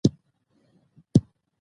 تاریخ د ارمانونو باغ دی.